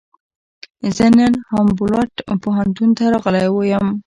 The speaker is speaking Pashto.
زه نن هامبولټ پوهنتون ته راغلی یم.